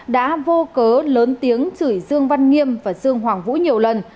đã vô cớ lớn tiếng chửi dương văn nghiêm và dương hoàng vũ nhiều lần